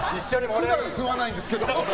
普段は吸わないんですけど。